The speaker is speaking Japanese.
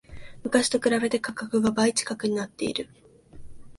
昔と比べて価格が倍近くなってる